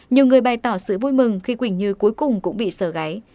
nhiều người bày tỏ sự vui mừng khi quỳnh như cuối cùng cũng bị sợ gáy